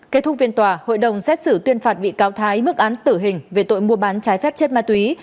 kết thúc phiên tòa hội đồng xét xử tuyên phạt bị cáo thái mức án tử hình về tội mua bán trái phép chất ma túy